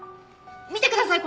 見てください